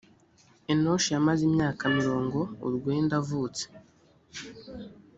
enoshi yamaze imyaka mirongo urwenda avutse